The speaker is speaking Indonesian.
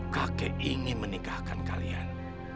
kakek ingin menikahkan kalian